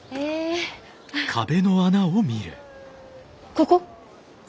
ここ？